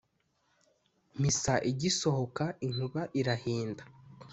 misa igisohoka inkuba irahinda